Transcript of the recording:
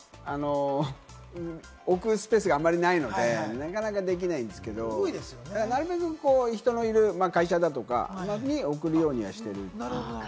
置くスペースがあんまりないので、なかなかできないんですけれども、なるべく人のいる会社だとかに送るようにはしてる。